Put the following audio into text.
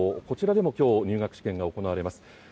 こちらでも今日、入学試験が行われます。